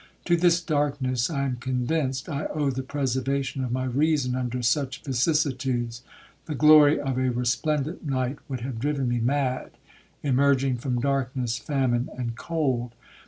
To this darkness, I am convinced, I owe the preservation of my reason under such vicissitudes,—the glory of a resplendent night would have driven me mad, emerging from darkness, famine, and cold.